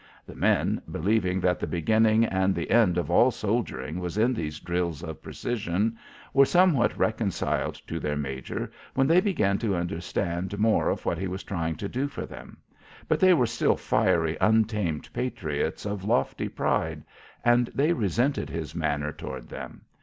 The men, believing that the beginning and the end of all soldiering was in these drills of precision, were somewhat reconciled to their major when they began to understand more of what he was trying to do for them, but they were still fiery untamed patriots of lofty pride and they resented his manner toward them.